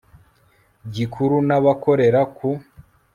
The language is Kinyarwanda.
gikuru n abakorera ku